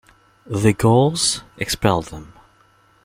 The Gauls expelled them.